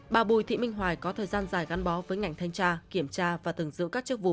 bà bùi thị minh hoài có thời gian dài gắn bó với ngành thanh tra kiểm tra và từng giữ các chức vụ